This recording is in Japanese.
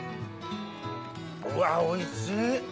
うわおいしい。